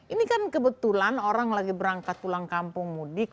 ini kan kebetulan orang lagi berangkat pulang kampung mudik